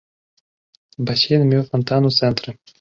Басейн меў фантан у цэнтры.